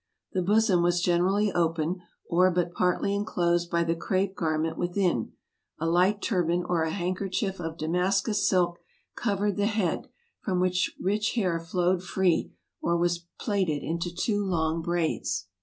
The bosom was generally open, or but partly inclosed by the crape garment within; a light turban or a handkerchief of Damascus silk covered the head, from which the rich hair flowed free, or was plaited 258 TRAVELERS AND EXPLORERS into two long braids.